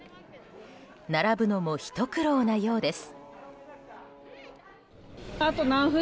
並ぶのもひと苦労なようです。